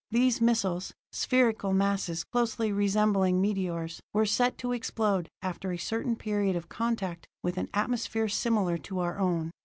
These missiles, spherical masses closely resembling meteors, were set to explode after a certain period of contact with an atmosphere similar to our own.